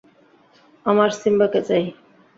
আমার সিম্বাকে চাই!